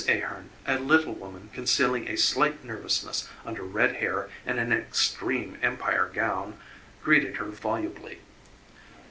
Ahearn, a little woman concealing a slight nervousness under red hair and an extreme Empire gown, greeted her volubly.